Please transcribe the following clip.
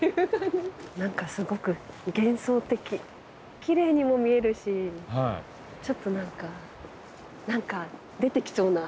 何かすごく幻想的きれいにも見えるしちょっと何か出てきそうな。